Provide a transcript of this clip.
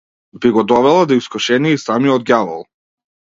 Би го довела до искушение и самиот ѓавол.